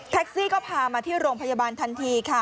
ซี่ก็พามาที่โรงพยาบาลทันทีค่ะ